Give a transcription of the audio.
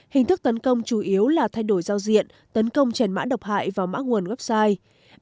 hình thức tấn công chủ yếu là thay đổi giao diện tấn công trần mã độc hại vào mã nguồn website